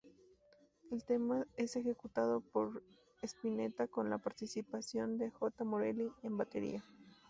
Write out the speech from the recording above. El tema es ejecutado por Spinetta con la participación de Jota Morelli en batería.